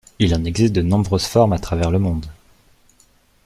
Il en existe de nombreuses formes à travers le monde.